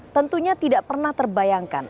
tentunya tidak pernah terbayangkan